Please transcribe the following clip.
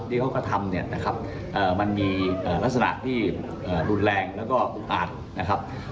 ที่เขาก็ทำมันมีลักษณะที่รุนแรงแล้วก็อุ๊กอาดนะครับ